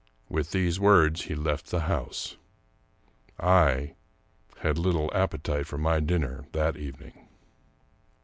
With these words he left the house. I had little appetite for my dinner that evening.